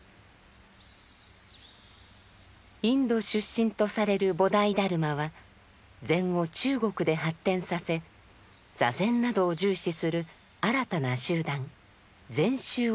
インド出身とされる菩提達磨は禅を中国で発展させ坐禅などを重視する新たな集団「禅宗」を打ち立てます。